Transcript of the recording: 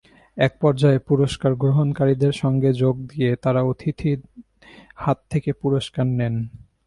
একপর্যায়ে পুরস্কার গ্রহণকারীদের সঙ্গে যোগ দিয়ে তাঁরা অতিথির হাত থেকে পুরস্কার নেন।